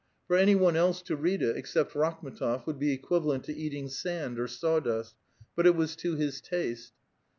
For any one else to read it, except Rakhiu^tof, would be equivalent to eating sand or sawdust. But it was to his taste.